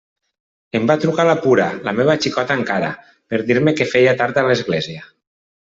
Em va trucar la Pura, la meva xicota encara, per dir-me que feia tard a l'església.